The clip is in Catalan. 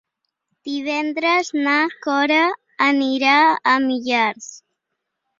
Divendres na Cora anirà a Millars.